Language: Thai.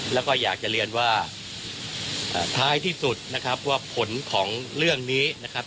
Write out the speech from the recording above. แล้วก็อยากจะเรียนว่าท้ายที่สุดนะครับว่าผลของเรื่องนี้นะครับ